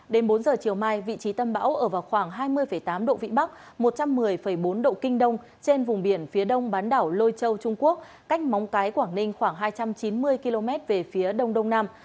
đến bốn giờ chiều mai vị trí tâm bão ở vào khoảng hai mươi tám độ vĩ bắc một trăm một mươi bốn độ kinh đông trên vùng biển phía đông bán đảo lôi châu trung quốc cách móng cái quảng ninh khoảng hai trăm chín mươi km về phía đông đông nam